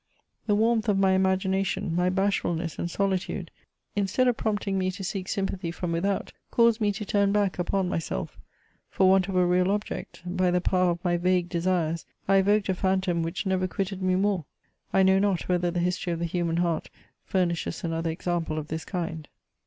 The warmth of my imagination, my bashfulness and solitude, instead of prompting me to seek sympathy from without, caused me to turn back upon myself; for want of a real object, by the power of my vague desires I evoked a phantom which never quitted me more. I know not whether the history of the human heart furnishes another example of this kind.